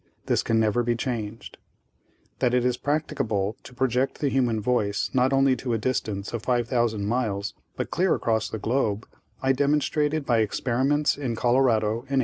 This can never be changed. "That it is practicable to project the human voice not only to a distance of 5,000 miles, but clear across the globe, I demonstrated by experiments in Colorado in 1899.